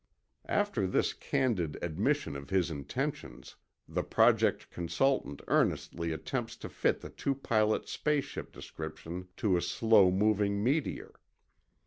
After this candid admission of his intentions, the Project consultant earnestly attempts to fit the two pilots' space ship description to a slow moving meteor.